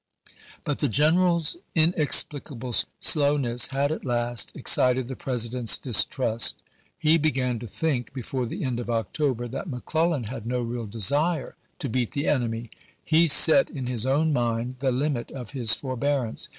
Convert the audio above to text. But the general's inexplicable slowness had at last excited the President's dis trust. He began to think, before the end of October, that McClellan had no real desire to beat the enemy. He set in his own mind the limit of his forbearance.